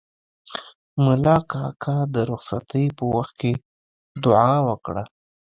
ملا کاکا د رخصتۍ په وخت کې دوعا وکړه.